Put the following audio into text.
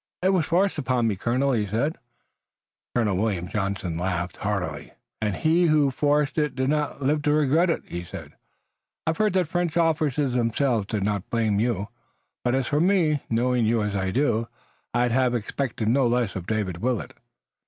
"It was forced upon me, colonel," he said. Colonel William Johnson laughed heartily. "And he who forced it did not live to regret it," he said. "I've heard that French officers themselves did not blame you, but as for me, knowing you as I do, I'd have expected no less of David Willet."